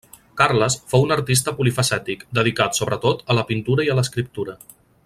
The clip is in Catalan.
Carles fou un artista polifacètic, dedicat sobretot a la pintura i a l'escriptura.